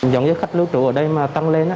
giống như khách lưu trú ở đây mà tăng lên